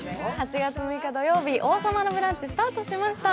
８月６日土曜日、「王様のブランチ」スタートしました。